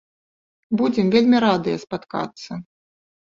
Будзем вельмі радыя спаткацца.